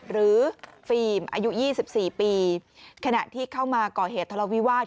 ฟิล์มอายุ๒๔ปีขณะที่เข้ามาก่อเหตุทะเลาวิวาส